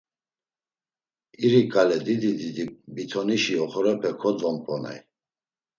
İri ǩale didi didi bitonişi oxorepe kodvonp̌oney.